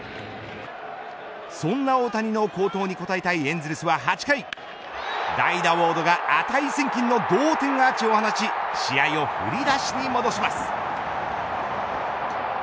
そんな大谷の好投に応えたいエンゼルスは８回代打ウォードが値千金の同点アーチを放ち試合を振り出しに戻します。